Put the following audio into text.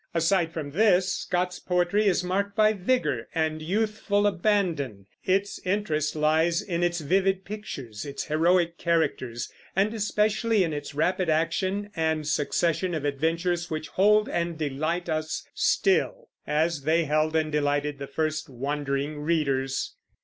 Aside from this, Scott's poetry is marked by vigor and youthful abandon; its interest lies in its vivid pictures, its heroic characters, and especially in its rapid action and succession of adventures, which hold and delight us still, as they held and delighted the first wondering readers.